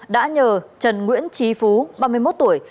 đã nhờ trần nguyễn trí phú ba mươi một tuổi